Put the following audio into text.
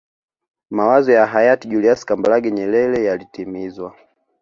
mawazo ya hayati julius kambarage nyerere yalitimizwa